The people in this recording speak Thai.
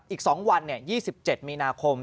อีก๒วัน๒๗มีนาคม